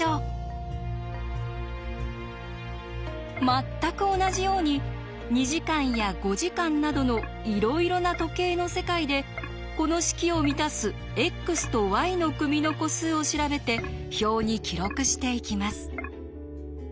全く同じように２時間や５時間などのいろいろな時計の世界でこの式を満たすｘとｙの組の個数を調べて表に記録していきます。